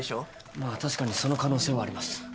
まあ確かにその可能性はあります。